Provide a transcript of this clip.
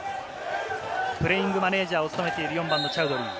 プレイングマネージャーを務めている４番のチャウドリー。